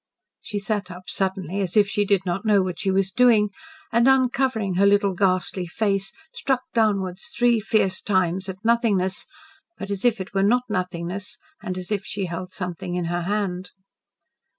She sat up suddenly, as if she did not know what she was doing, and uncovering her little ghastly face struck downward three fierce times at nothingness but as if it were not nothingness, and as if she held something in her hand.